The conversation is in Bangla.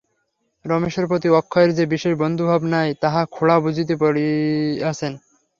রমেশের প্রতি অক্ষয়ের যে বিশেষ বন্ধুভাব নাই, তাহা খুড়া বুঝিতে পারিয়াছেন।